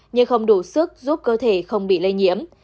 nhưng không đủ sức giúp cơ thể không bị lây nhiễm